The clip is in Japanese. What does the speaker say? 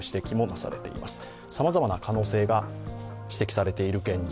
さまざま可能性が指摘されている現状。